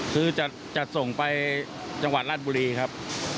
คือจะส่งไปจังหวัดราชบุรีครับ